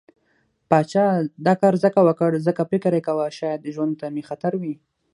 پاچا دا کار ځکه وکړ، ځکه فکر يې کوه شايد ژوند ته مې خطر وي.